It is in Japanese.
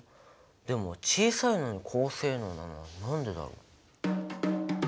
でも小さいのに高性能なのは何でだろう。